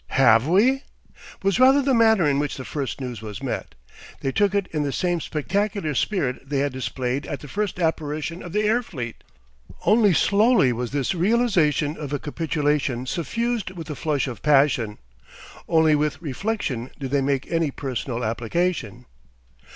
HAVE we?" was rather the manner in which the first news was met. They took it in the same spectacular spirit they had displayed at the first apparition of the air fleet. Only slowly was this realisation of a capitulation suffused with the flush of passion, only with reflection did they make any personal application.